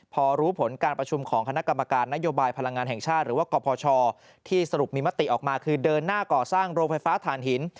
พอรู้ผลการประชุมของคณะกรรมการนโยบายพลังงานแห่งชาติหรือว่ากพชที่สรุปมีมติออกมาคือเดินหน้าก่อสร้างโรงไฟฟ้าฐานหิน